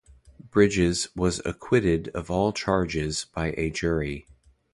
Bridges was acquitted of all charges by a jury.